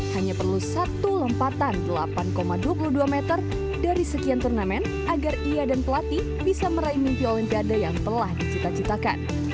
hanya perlu satu lempatan delapan dua puluh dua meter dari sekian turnamen agar ia dan pelatih bisa meraih mimpi olimpiade yang telah dicita citakan